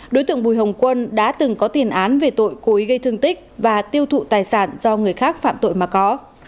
đối tượng bùi hồng quân đã từng có tiền án về tội cố ý gây thương tích và tiêu thụ tài sản do người khác phạm tội mà có